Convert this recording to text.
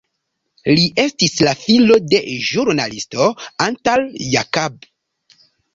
Li estis la filo de ĵurnalisto Antal Jakab.